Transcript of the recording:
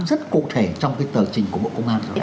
rất cụ thể trong cái tờ trình của bộ công an rồi đấy